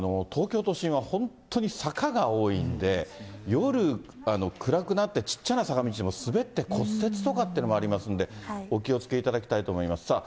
東京都心は本当に坂が多いんで、夜暗くなって、ちっちゃな坂道も滑って骨折とかっていうのもありますので、お気をつけいただきたいと思います。